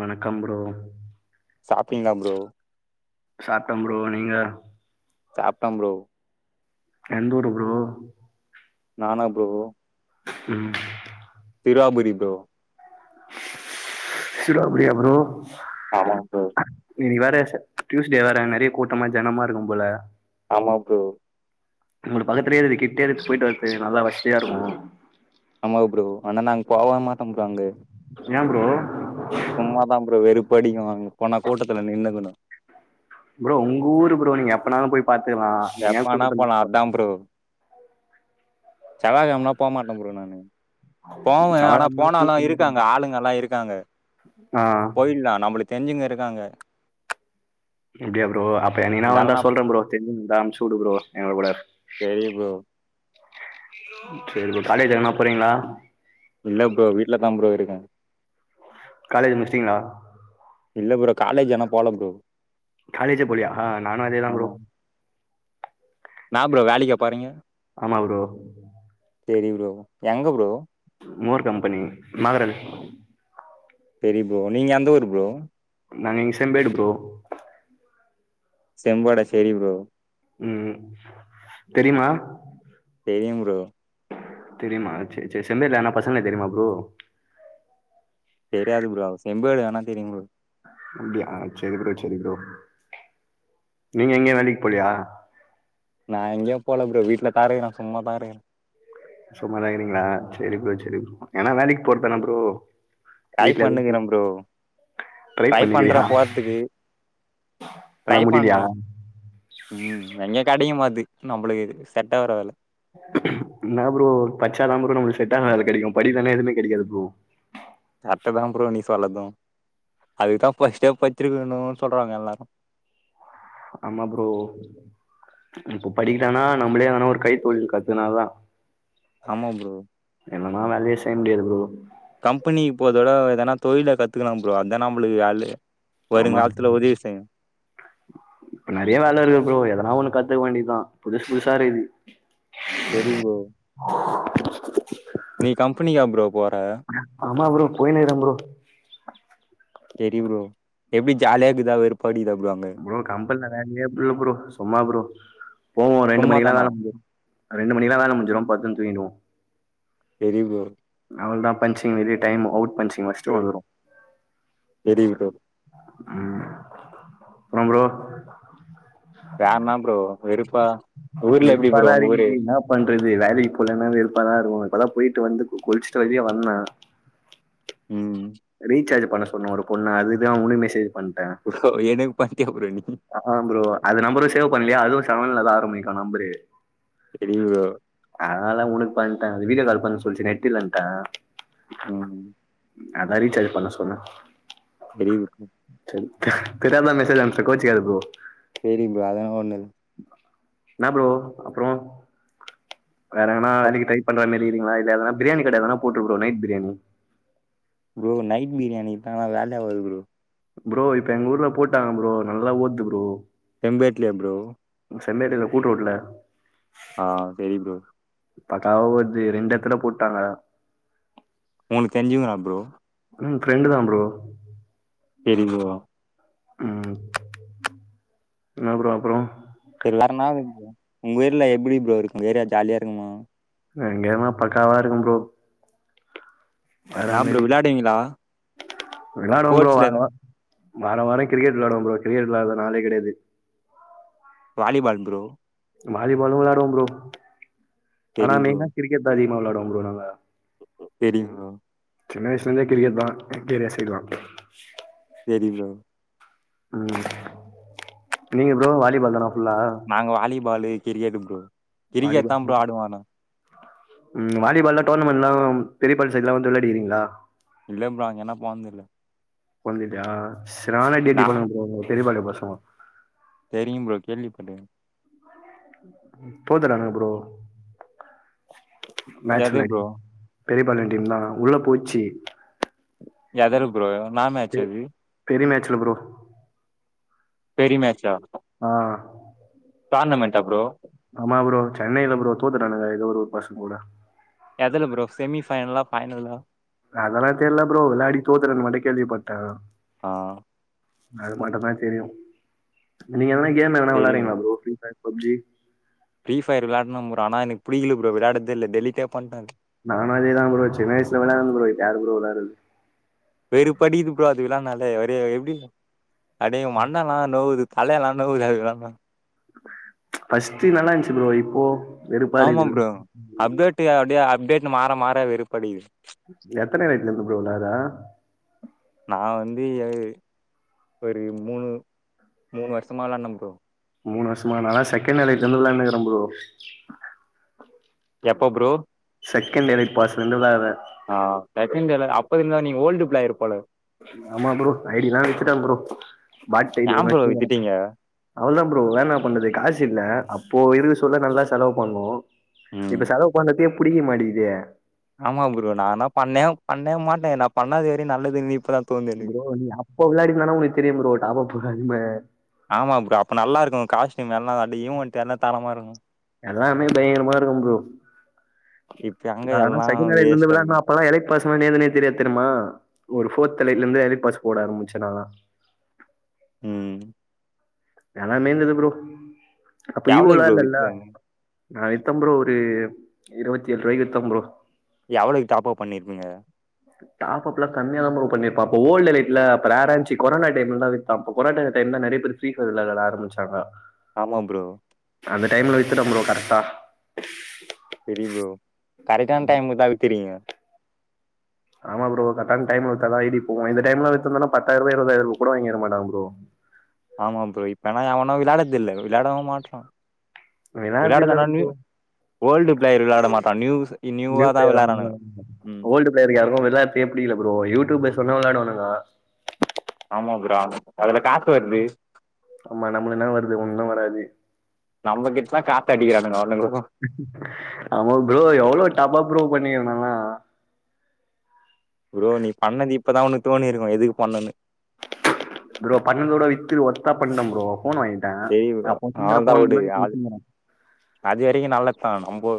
வணக்கம் ப்ரோ சாப்பிட்ங்களா ப்ரோ சாப்பிட்ட ப்ரோ நீங்க சாப்ட்ட ப்ரோ எந்தூரு ப்ரோ நானா ப்ரோ ம் சிருவாபுரி ப்ரோ சிருவாபுரியா ப்ரோ ஆமா ப்ரோ இன்னிக்கி வேற டியூஸ்டே வேற நெறைய கூட்டமா ஜனமா இருக்கும் போல ஆமா ப்ரோ உங்ளுக்கு பக்கத்துலேயே இருகுது கிட்டேயே இரு போயிட்டு வர்றதுகு நல்லா வஷியா இருக்கு ஆமா ப்ரோ ஆனா நாங்க போவ மாட்டோ ப்ரோ அங்கே ஏ ப்ரோ சும்மாதா ப்ரோ வெறுப்படிக்கு அங்க போனா கூட்டத்துல நின்னுக்கணு ப்ரோ உங்க ஊர் ப்ரோ நீங்க எப்பனாலு போய் பாத்துக்கலா நீ ஏ எப்பனா கூட்டத்த போலா போ செவ்வாக்கெழமனா போமாட்டே ப்ரோ நானு போவே ஆனா செவ்வாகெழம போனாலு கூட்டமா இருக்கு இருக்காங்க ப்ரோ ஆளுங்கல்லா இருக்காங்க ஆ போயிட்லா நம்மளுக்கு தெரிஞ்சங்க இருக்காங்க அப்டியா ப்ரோ அப்ப என்னைக்குனா வந்தா இருந்தாலு நா சொல்றே ப்ரோ தெரிஞ்சுங்க இருந்தா அனுப்பிச்சு விடு ப்ரோ எங்க கூட சரி ப்ரோ சரிப் ப்ரோ காலேஜ் எங்கனா போறீங்களா இல்ல ப்ரோ வீட்லதா ப்ரோ இருக்கே காலேஜ் முடிச்சிட்டீங்களா இல்ல ப்ரோ காலேஜ் ஆனா போல ப்ரோ காலேஜே போலயா நானு அதேதா ப்ரோ ஆமா என்னா ப்ரோ வேலைக்கா போறீங்க ஆமா ப்ரோ தெரியு ப்ரோ எங்க ப்ரோ மோர் கம்பெனி மகரல் சரி ப்ரோ நீங்க எந்த ஊரு ப்ரோ நாங்க இங்க செம்பேடு ப்ரோ செம்பேடா சரி ப்ரோ ம் தெரியுமா தெரியும் ப்ரோ தெரியுமா சரி சரி செம்பேடுல யார்னா பசங்கள தெரியுமா ப்ரோ தெரியாது ப்ரோ செம்பேடு வேனா தெரியும் ப்ரோ அப்டியா சரி ப்ரோ சரி ப்ரோ நீங்க எங்கயு வேலைக்கு போலியா நா எங்கேயு போல ப்ரோ வீட்ல தா இருக்குறே சும்மா தா இருக்குறே சும்மாதா இருக்குறீங்களா சரி ப்ரோ சரி ப்ரோ எங்கனா வேலைக்கு போறதான ப்ரோ டை வீட்ல எதுவு பண்ணுக்கிறே ப்ரோ ட்ரை டை பண்றே பண்ணிக்கிறியா போற்துக்கு ஆனா ட்ரை முடியலையா பண்றே ம் எங்க கெடைக்க மாட்து நம்மளுக்கு செட் ஆவுற வேல என்னா ப்ரோ படிச்சாதா ப்ரோ நம்மளுக்கு செட்டான வேல கெடைக்கு படிக்கலனா எதுவுமே கெடைக்காது ப்ரோ டதா ப்ரோ நீ சொல்லது அதுக்குதா பஸ்ட்டே பட்ச்சிருக்கணுன்னு சொல்றாங்க எல்லாரு ஆமா ப்ரோ இப்ப படிக்கிட்டானா நம்மளே வேனா ஒரு கைத்தொழில் கத்துக்குனாதா ஆமா ப்ரோ என்னன்னா வேலையே செய்ய முடியாது ப்ரோ கம்பெனிக்கு போறத விட எதனா தொழில கத்துக்கலா ப்ரோ அதா நம்பளுக்கு வேல்லு ஆமா இப்ப நெறைய வேல இருக்கு ப்ரோ எதனா ஒண்ணு கத் துக்கவேண்டியதா புதுசு புதுசா இருக்குது செரி ப்ரோ [inaudible] நீ கம்பெனிக்கா ப்ரோ போற போயினுயிருக்குறே ப்ரோ சரி ப்ரோ எப்டி ஜாலியாக்குதா வெறுப் ப்ரோ கம்பல் வேலையே க்கு ப்ரோ சும்மா ப்ரோ போவோ ரெண்டு சும்மா மணிக்கெல்லா தானா வேல முடிஞ்சிடு ரெண்டு மணிக்கெல்லா வேல முடிஞ்சிடு படுத்துன்னு தூங்கிடுவோ தெரியு ப்ரோ அவளதா பஞ்சிங் வரிய டைம் அவுட் பஞ்சிங் வச்சுட்டு வந்துருவோ சரி ப்ரோ ம் அப்பறோ ப்ரோ வேனா ப்ரோ வெறு வெறுப்பாதா இருக்குது என்னா பண்றது வேலைக்கு போலன்னா வெறுப்பா தா இருக்கு அப்பதா போயிட்டு வந்து குளிச்சுட்டு வெளிய வந்த ம் ரீசார்ஜ் பண்ண சொன்னோ ஒரு பொண்ண அதுதா உன்னு மெசேஜ் பண் ப்ரோ என்க்கு பண்ணிட்டியா ப்ரோ நீ ஆ ப்ரோ அது நம்பரும் சேவ் பண்ணலையா அதுவு செவன்லதா ஆரம்பிக்கு நம்பரு சரி ப்ரோ அதனாலா உனக்கு பண்ட்டே அது வீட்ட கால் பண்ண சொல்லிச்சு நெட்டு இலன்ட்ட ம் அதா ரீசார்ஜ் பண்ண சொன்னே தெரியு ப்ரோ தெரியாதா மெசேஜ் அனுச்ட்டே கோச்சுகாத ப்ரோ செரி ப்ரோ அதானால ஒன்னுல் என்ன பரோ அப்பறோ வேற எங்கன்னா அப் வேலைக்கு ட்ரை பண்ற மார [unintelligible] இனா பிரியாணி கடை எதன போட்டு night biryani bro night biryani தா வேலையாவது ப்ரோ ப்ரோ இப்ப எங்க ஊர்ல போட்டாங்க ப்ரோ நல்லா ஓட்து ப்ரோ எம்பேட்லியா ப்ரோ செம்மேடில கூட் ரோட்டுல ஆ தெரி ப்ரோ பத்தாவது ரெண்டு எடத்துல போட்டாங்க உனக்கு தெரிஞ்சுங்கா ப்ரோ ம் ஃபிரெண்டுதா ப்ரோ செரி ப்ரோ ம் என்னா ப்ரோ அப்றோ எல்லருனாவ் உங்க ஊர்ல எப்படி ப்ரோ இருக்கு ஏறா ஜாலியா இருக்குமா எங்கேனா பக்காவா இருக்கும் ப்ரோ என்னா ப்ரோ பறமாரி விளாடுவீங்களா விளாடுங்க ப்ரோ ஸ்போர்ட்ஸ்ல வா எது வா வாரம் வார கிரிக்கட் விளாவோம் ப்ரோ கிரெட்க்கட் விளாடற நாலே கெடயாது வாலிபால் ப்ரோ வாலிபாலும் விளையாடுவோம் ப்ரோ ஆனா சரி நீயா கிரிக்கெட் தா அதிகமா விளாடுவோம் ப்ரோ நாங்க சரிங் ப்ரோ சின்ன வயசுலருந்தே கிரிக்கெட் தா எங்கேரிய சைடளா செரி ப்ரோ ம் நீங்க ப்ரோ வாலிபால் தானா ஃபுல்லா நாங்க வாலிபாலு கிரிக்கெட ப்ரோ கிரிக்கெட் தா வாலிபால் ப்ரோ ஆடுவோ ஆனா ம் வாலிபால்ல்ளா டோர்னமெண்ட்ல்லா பெரிய ப சைட்லா வந்து விளையாடிர்கீங்களா இல்ல ப்ரோ அங்கனா போதுல்ல போனதில்லையா சரி நானே டி டி நான் பண்ணுவே ப்ரோ பெரிய பாலு பசங்க தெரியும் ப்ரோ கேள்விப்பட்ருக்கே தோத்துட்டானுங்க ப்ரோ எது ப்ரோ பெரியபாலண் டீம் தா உள்ள போச்சு எதரு ப்ரோ நாமேச்சது ச்சல ப்ரோ பெரிய மேட்சா ஆ டோர்னமெண்ட்டா ப்ரோ ஆமா ப்ரோ சென்னையில ப்ரோ தோத்துட்டானுங்க ஏதோ ஒரு ஒரு பசங்க கூட எதுல ப்ரோ செமிஃபைனல்லா பைனல்லா அதெல்லா தெரில ப்ரோ விளையாடி தோத்த்துட்டா மட்டு கேள்விப்பட்டே ஆ அது மட்டுந்தா தெரியு, நீங்க எதுனா கேம் எதுனா வெளாட்றீங்களா bro free fire PUBG free fire விளாட்ன ப்ரோ ஆனா எனக்கு புடிக்கல ப்ரோ விளையாட தெரில டெலிட்டே பண்ட்ட நானு அதேதா ப்ரோ சின்ன வயசுல விளாட்னது ப்ரோ இப்ப யாரு ப்ரோ விளாட்றது வெறுப்படிக்குது ப்ரோ அது விளாட்னாலே ஒரே எப்டி அப்டியே மண்டல்லா நோவுது தலையெல்லா நோவுது அது விளாட்னா ஃபஸ்ட்டு நல்லா இருந்துச்சி ப்ரோ இப்போ வெறுப்பா ஆமா இருக்குது ப்ரோ அப்டேட் அப்டியே அப்டேட் மாற மாற வெறுப்படிக்குது எத்தன வயசுல இருந்து ப்ரோ விளாடுற நா வந்து எ ஒரு மூணு மூணு வருஷமா விளான்ட ப்ரோ மூணு வருஷமா நான்லா செகண்ட் எலைட்ல இருந்து விளாயாண்டுனு இருக்குற ப்ரோ எப்ப ப்ரோ செகண்ட் எலைட் பாஸ்ல இருந்து விளாட்ற ஆ செகண்ட் எலை அப்ப இருந்தா நீங்க ஓல்டு பிளேயர் போல ஆமா ப்ரோ ஐடிலா வித்துட்ட ப்ரோ பாட் ஐடி ஏன் ஒண்ணு ப்ரோ வச்சிருந்தே வித்துட்டீங்க அவ்ளோதா ப்ரோ வேற என்னா பண்றது காசு இல்ல அப்போ இருக்க சொல்ல நல்லா செலவு பண்ணோ ம் இப்ப செலவு பண்றதுக்கே புடிக்க மாட்டேங்கிதே ஆமா ப்ரோ நான்லா பண்ணே பண்ணே மாட்டே நா பண்ணாது வரையு நல்லதுனு இப்பதா தோணுது எனக்கு ப்ரோ நீ அப்ப விளாடிருந்தனா உனக்கு தெரியு ப்ரோ டாப் அப் அரும ஆமா ப்ரோ அப்ப நல்லா இருக்கு காஸ்டியூ எல்லா அண்ட் ஈவன்ட் எல்லா தரமா இருக்கு எல்லாமே பயங்கரமா இருக்கு ப்ரோ, இப்ப எங்க நா ஆனா எல்லா செகண்ட் எலைட்லந்து வேஸ்ட்டா இருக்கு விளாட்ன அப்பல்லா எலைட் பாஸ்னா ஏதுனே தெரியாது தெரிமா ஒரு ஃபோர்த் எலைட்ல இருந்துதா எலைட் பாஸ் போட ஆரம்பிச்ச நான்லா ம் எல்லாமே இருந்துது ப்ரோ அப்ப எவ்ளோக்கு இஓலா ப்ரோ இல்லல வித்தாங்க நா வித்த ப்ரோ, ஒரு இருபத்தி ஏழு ரூவாய்க்கு வித்த ப்ரோ எவ்வளவுக்கு டாப்அப் பண்ணிருப்பீங்க டாப் அப்லா கம்மியாதா ப்ரோ பண்ணிருப்ப அப்ப ஓல்டு எலைட்ல அப்ப ரேரா இருந்துச்சி கொரோனா டைம்ல தா வித்த அப்ப கொரோனா டைம் ல நறைய பேர் ஃபிரீ பையர் விளையாட ஆரம்பிச்சாங்க ஆமா ப்ரோ அந்த டைம்ல வித்துட்ட ப்ரோ கரெக்டா செரி ப்ரோ கரெக்டான டைம்ல தா வித்துருக்கீங்க ஆமா ப்ரோ கரெக்டான டைம்ல வித்தா தா ஐடி போவுமே இந்த டைம்ல வித்திருந்தோன்னா பத்தாயரூவா இருபதாயிரரூவாக்கு கூட வாங்கிருக்க மாட்டாங்க ப்ரோ ஆமா ப்ரோ இப்பனா எவனு விளயாட தெரில விளயாடவு மாட்றா விளாட்றது விளயாட இல்ல தான நியூ ப்ரோ ஓல்டு பிளேயர் விளயாட மாட்டா நியூ நியூ பிளேயர் அந்த மாரிதா ஓல்ட் பிளேயர் யாருக்கு விளயாட்றதுகே புடிக்கல ப்ரோ யூடியூபர்ஸ் சொன்னா விளயாடுவானுங்க ஆமா ப்ரோ அதுல காசு வருது ஆமா நம்மளுக்கு என்னா வருது ஒன்னு வராது நம்மகிட்டதா காசு அடிக்கிறானுங்க அவனுங்களு ஆமா ப்ரோ எவ்ளோ டாப்அப் ப்ரோ பண்ணீங்க நானா ப்ரோ நீ பண்ணது இப்பதா உனக்கு தோணிருக்கு எதுக்கு பண்ணன்னு ப்ரோ பண்ணத விட வித்து ஒர்த்தா பண்ணிட்ட ப்ரோ ஃபோன் வாங்கிட்டேன் செரி ப்ரோ அப்போ வச்சிருக்கிற அவ்ளோதா ஃபோன் வுடு தான் இப்போ அது வச்சிருக்கிறேன் அது வரைக்கு நல்லத்தா நம்போ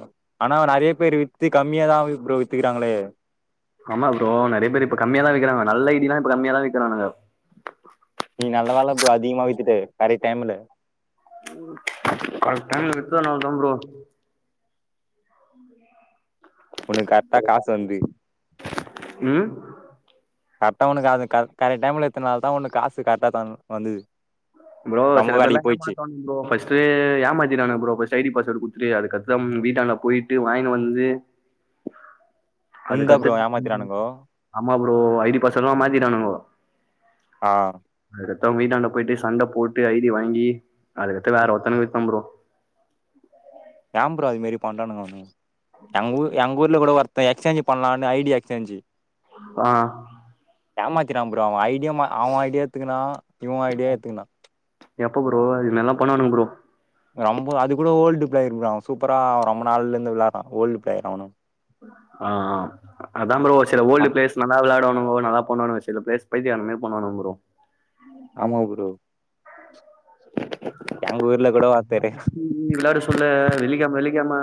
ஆனா நறைய பேர் வித் து கம்மியாதா ப்ரோ வித்துக்கிறாங்களே ஆமா ப்ரோ நறைய பேர் இப்ப கம்மியாதா விக்கிறாங்க நல்ல ஐடி லா இப்ப கம்மியாதா விக்கிறானுங்க நீ நல்ல வேல ப்ரோ அதிகமா வித்துட்ட கரெக்ட் டைம்ல கரெக்ட் டைம்ல வித்ததுனாலதா ப்ரோ உனக்கு கரெக்ட்டா காசு வந்து ம் கரெக்டா ஒனக்கு அது கரெக்ட் டைம்ல இத்தன நாள்தான் ஒனக்கு காசு கரெக்டாக தான் வது ப்ரோ சிலபேர்லாம் என்ன மாட்டாங்க ப்ரோ ஃபர்ஸ்ட்டு ஏமாத்திடாங்க ப்ரோ ஃபர்ஸ்ட்டு ஐடி பாஸ்வேர்டு குடு அதுக்கத்தம் வீட்டாண்ட போயிட்டு வாங்கினு வந்து உன்தா அதுக்கத்து ப்ரோ ஏமாத்திறானுங்கோ ஆமா ப்ரோ ஐடி பாஸ்வோர்டலா மாத்திடானுங்கோ ஆ அத்தவங்க வீடாண்ட போயிட்டு சண்ட போட்டு ஐடி வாங்கி அதுக்கத்த வேற ஒருத்தனுகு வித்த ப்ரோ ஏம் ப்ரோ அது மாறி பண்றானுனங்க அவ்னுங் எங்ஊர் எங்க ஊர்ல கூட ஒருத் எக்ஸ்சேஞ்ச் பன்லானு ஐடிய எக்ஸ்சேஞ்சு ஆ ஏமாத்திட்டா ப்ரோ அவன் ஐடிய அவ ஐடிய எத்துக்குனா இவ ஐடிய எத்துக்குனா எப்ப ப்ரோ இதுமாரிலா பண்ணுவானுங்க ப்ரோ ரொம்ப அது கூட ஓல்டு பிளேயர்தா சூப்பரா ரொம்ப நாள்ல இருந்து விளாட்றா ஓல்டு ப்ளேயர் அவனு ஆ ஆ அதா ப்ரோ சில ஓல்டு பிளேஸ் நல்லா வெளாடுவானுங்கோ நல்லா பண்ணுவானுங்க வச் சில பிளேஸ் பைத்தியக்கார மாரி பண்ணுவாங்க ப்ரோ ஆமா ப்ரோ எங்க ஊர்ல கூட ஒருத்தரு வெள்ளாட சொல்ல வெள்ளிக்கெழம வெள்ளிக்கெழம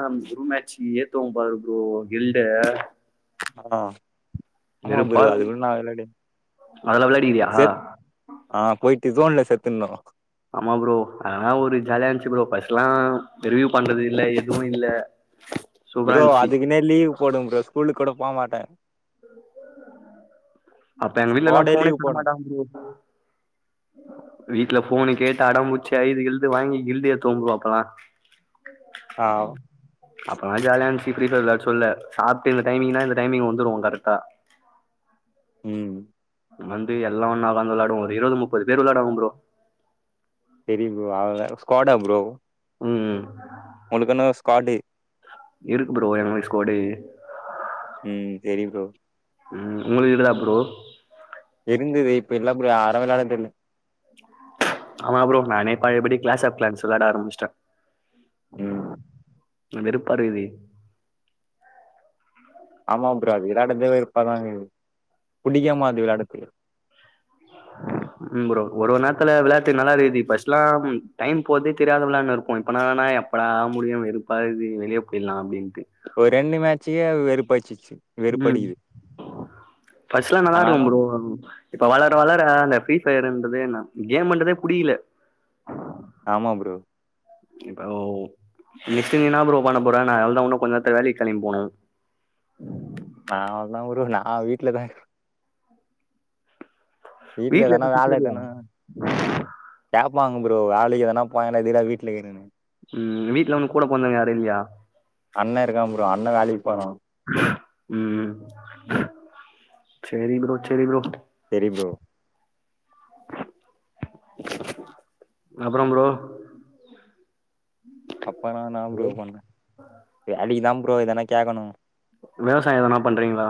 மேட்சிங் தூம்பாது ப்ரோ கில்டு ஆ ஆமா ப்ரோ இருக்கு அதுக்கூட நா வெளாடுவேன் அதெல்லா விளாடிக்கிறியா சேத் ஆ போய் டிஜோன்ல சேத்துருந்தோ ஆமா ப்ரோ அதெல்லா ஒரு ஜாலியா இந்துச்சு ப்ரோ பஸ்லா ரிவியூ பண்றது இல்ல எதுவு இல்ல சூப்பரா ப்ரோ இருந்துச்சு அதுக்குனே லீவ் போடுவ ப்ரோ ஸ்கூலுக்கு கூட போமாட்டே அப்ப எங்க வீட்லலா ஸ்குவாடே போனே லீவ் தர போடு மாட்டாங்க ப்ரோ வீட்ல போனு கேட்டு அடம்புச்சி ஐது கிழுது வாங்கி கில்டு ஏத்துவ ப்ரோ அப்பலா ஆ அப்பலா ஜாலியானுச்சீ ஃப்ரீ ஃபயர் வெளாட சொல்ல சாப்ட்டு இந்த டைமிங்ன்னா இந்த டைமிங் வந்துருவோ கரெக்ட்டா [inaudible] ம் வந்து எல்லா ஒண்ணா ஒக்காந்து வெளாடுவோ ஒரு இருவது முப்பது பேர் வெளாடுவோ ப்ரோ செரி ப்ரோ அவங்களா ஸ்கோடா ப்ரோ ம் ம் உங்க்ளுக்னு ஸ்காடு இருக்கு ப்ரோ எங்களுக் ஸ்கோடு ம் சேரி ப்ரோ ம் உங்களுயிக்கா ப்ரோ இருந்தது இப்ப இல்ல ப்ரோ யாரு வெள்ளாட்ரது இல்ல ஆமா ப்ரோ நானே பழையபடி கிளாஸ் ஆப் கிளான்ஸ் வெளாட ஆரம்பிச்சுட்டே ம் வெறுப்பா இருக்குது ஆமா ப்ரா விடாதவே வெருப்பாதா இக்குது புடிக்கமாட்து விளாடத்துகே [inaudible] ம் ப்ரோ ஒரு ஒரு நேரத்துல விளாட்டு நல்லாதி ஃபர்ஸ்ட்லா டைம் போதே தெரியாத விளான்னு இருப்போ இப்ப எப்படா முடியு வெறுப்பா இக்து வெளியே போயிட்லா அப்டின்ட்டு ஒரு ரெண்டு மேட்சுக்கே வெறுப்பாச்சுச்சு வெறுப்படிகுது ஃபஸ்லா நல்லா இருக்கு ப்ரோ இப்ப வளர வளர இந்த பீக் பிரிபயரன்றதே நா கேமுன்றதே புடிக்கல ஆமா ப்ரோ இப்ப ஓ நிஷ்டு நீ என்ன ப்ரோ பண்ண போற நான் அவ்ளோதா இன்னு கொஞ்ச நேரத்துல வேலைக்கு கிளம்பி போனும் ஆ வீட்டல தா வீட்ல எதனா எது திட்ற வேல இல்லையா எதனா டேப் ஆமாங்க ப்ரோ வேலைக்கு எதனா போய்லா இருந்தா வீட்டேலயே இருக்கிற ம் வீட்ல உனக்கூட பொறந்தவங்க யாரு இல்லையா அண்ண இருக்கா ப்ரோ அண்ண வேலைக்கு போறா ம் ம் செரி ப்ரோ செரி ப்ரோ தெரி ப்ரோ அப்புறோ ப்ரோ அப்பனா நா ப்ரோ பண்ணே வேலைக்குதா ப்ரோ எதனா கேக்கணு விவசாய எதனா பண்றீங்களா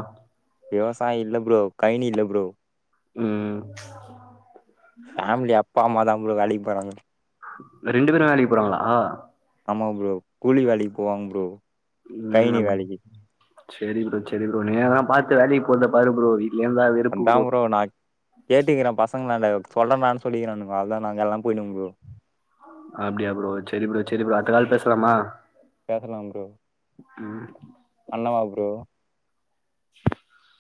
விவசாயில்ல ப்ரோ கைனி இல்ல ப்ரோ ம் ஃபேமிலி அப்பாம்மாதா ப்ரோ வேலைக்கு போறாங்க ரெண்டு பேரு வேலைக்கு போறாங்களா ஆமா ப்ரோ கூலி வேலைக்கு போவாங்க ப்ரோ கைனி வேலைக்கு சரி ப்ரோ சரி ப்ரோ நீ எதனா பாத்து வேலைக்கு போறத பாரு ப்ரோ வீட்லயே இருந்தா வெறுப்பு அத்தா ப்ரோ நான் கேட்டுக்கிறே பசங்களாண்ட சொல்றண்ணானு சொல்லிருக்கானுங்கோ அதா நாங்கல்லா போய்டோங்க ப்ரோ அப்படியா ப்ரோ சரி ப்ரோ சரி ப்ரோ அடுத்த கால் பேசலாமா பேசலாம் ப்ரோ ம் பண்ணவா ப்ரோ [inaudible]